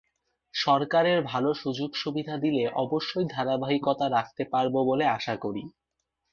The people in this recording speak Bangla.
সরকার ভালো সুযোগ-সুবিধা দিলে অবশ্যই ধারাবাহিকতা রাখতে পারব বলে আশা করি।